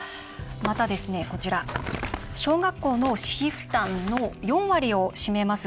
また、小学校の私費負担の４割を占めます